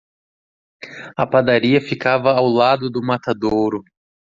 A padaria ficava ao lado do matadouro.